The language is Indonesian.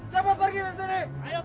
cepat pergi rasteri